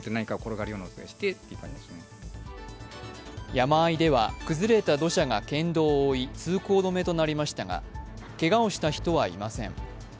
山あいでは崩れた土砂が県道を覆い通行止めとなりましたがけがをした人はいません。